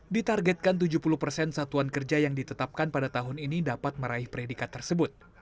ditargetkan tujuh puluh persen satuan kerja yang ditetapkan pada tahun ini dapat meraih predikat tersebut